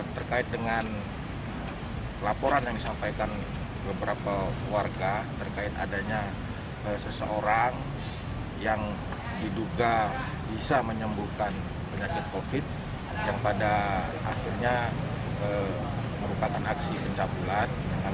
terkait dengan laporan yang disampaikan beberapa warga terkait adanya seseorang yang diduga bisa menyembuhkan penyakit covid yang pada akhirnya merupakan aksi pencabulan